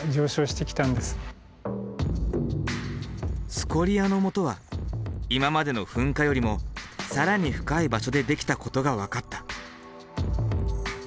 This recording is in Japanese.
スコリアのもとは今までの噴火よりも更に深い場所でできたことが分かった。